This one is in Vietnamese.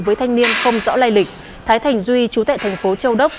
với thanh niên không rõ lai lịch thái thành duy chú tại thành phố châu đốc